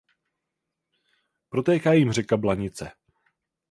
Protéká jím řeka Blanice.